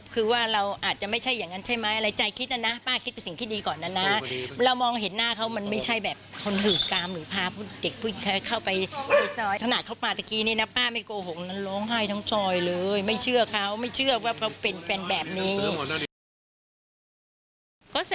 ก็แซวเขาบอกเธอรึเปล่าอะไรเงี้ย